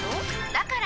だから！